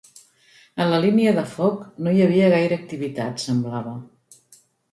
A la línia de foc no hi havia gaire activitat, semblava